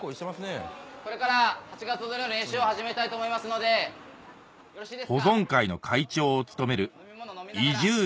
これから八月踊りの練習を始めたいと思いますのでよろしいですか？